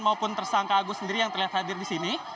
maupun tersangka agus sendiri yang terlihat hadir di sini